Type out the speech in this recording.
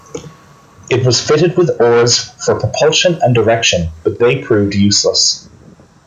It was fitted with oars for propulsion and direction, but they proved useless.